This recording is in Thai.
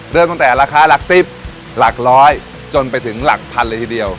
เริ่มตั้งแต่ราคาหลัก๑๐หลักร้อยจนไปถึงหลักพันเลยทีเดียว